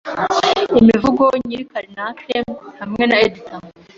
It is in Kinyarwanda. imivugo nyiri Carcanet hamwe na editor